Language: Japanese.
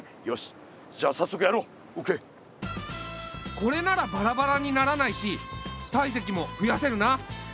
これならバラバラにならないし体積もふやせるな。